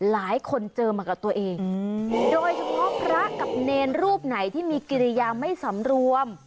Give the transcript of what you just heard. โดยเฉพาะพระกับเนร์รูปไหนที่มีกิริยาไม่สำรวม